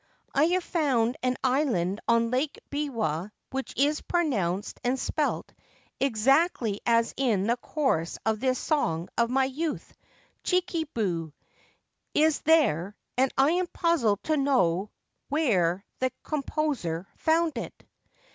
I have found an island on Lake Biwa which is pronounced and spelt exactly as in the chorus of this song of my youth. ' Chikubu ' is there, and I am puzzled to know where the composer found it.